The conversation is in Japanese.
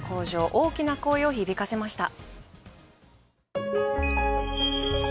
大きな声を響かせました。